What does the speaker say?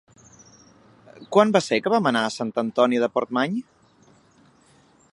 Quan va ser que vam anar a Sant Antoni de Portmany?